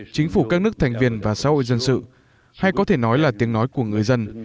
chính phủ các nước thành viên và xã hội dân sự hay có thể nói là tiếng nói của người dân